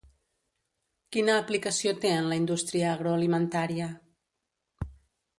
Quina aplicació té en la indústria agroalimentària?